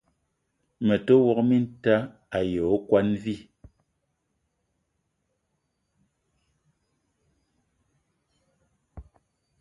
Me te wok minta ayi okwuan vi.